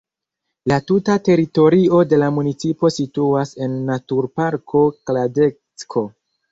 La tuta teritorio de la municipo situas en naturparko Kladecko.